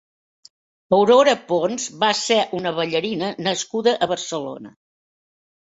Aurora Pons va ser una ballarina nascuda a Barcelona.